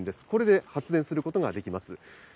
これで発電することができます。